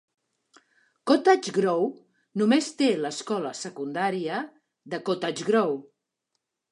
Cottage Grove només té l'Escola secundària de Cottage Grove.